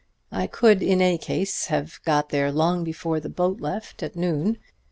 I could in any case have got there long before the boat left at noon.